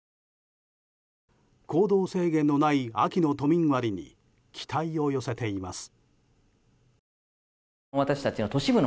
行動制限のない秋の都民割に期待を寄せています。